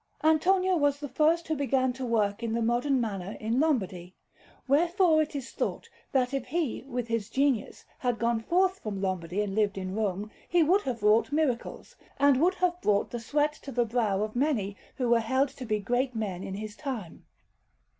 Antonio was the first who began to work in the modern manner in Lombardy; wherefore it is thought that if he, with his genius, had gone forth from Lombardy and lived in Rome, he would have wrought miracles, and would have brought the sweat to the brow of many who were held to be great men in his time.